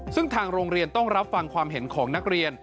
ซึ่งทางโรงเรียนต้องรับฟังความเห็นของนักเรียน